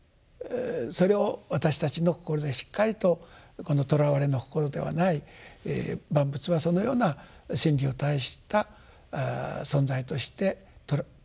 それを私たちの心でしっかりとこのとらわれの心ではない万物はそのような真理を帯した存在として認識していきましょうと。